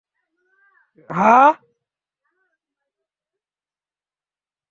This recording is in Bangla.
কিন্তু বিশ্ব স্বাস্থ্য সংস্থার বিধানের কারণে বাংলাদেশকে পোলিওমুক্ত ঘোষণা করা হয়নি।